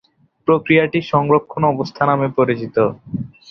প্রক্রিয়াটি সংরক্ষণ অবস্থা নামে পরিচিত।